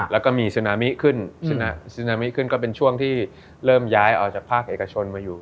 แล้วก็มีซึนามิขึ้นซึนามิขึ้นก็เป็นช่วงที่เริ่มย้ายออกจากภาคเอกชนมาอยู่